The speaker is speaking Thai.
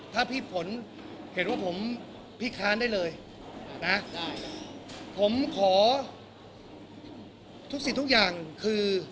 ถ้าพี่ผลเห็นว่าผมพิคารได้เลยผมขอทุกสินทุกอย่างคือ